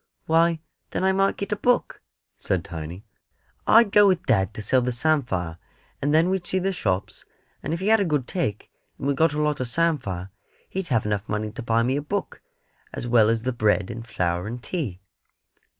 "Why, then I might get a book," said Tiny. "I'd go with dad to sell the samphire; and then we'd see the shops; and if he had a good take, and we got a lot of samphire, he'd have enough money to buy me a book, as well as the bread and flour and tea."